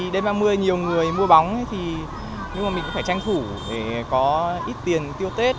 đêm ba mươi nhiều người mua bóng thì nhưng mà mình cũng phải tranh thủ để có ít tiền tiêu tết